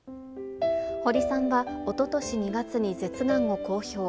堀さんはおととし２月に舌がんを公表。